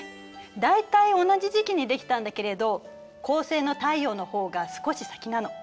大体同じ時期にできたんだけれど恒星の太陽の方が少し先なの。